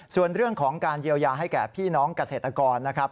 ส่วนเรื่องของการเยียวยาให้แก่พี่น้องเกษตรกรนะครับ